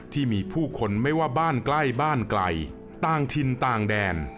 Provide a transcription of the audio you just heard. ที่มีผู้คนไม่ว่าบ้านใกล้บ้านไกลต่างถิ่นต่างแดน